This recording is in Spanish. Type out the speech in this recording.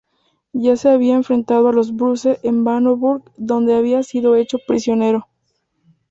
Ya se había enfrentado a los Bruce en Bannockburn, donde había sido hecho prisionero.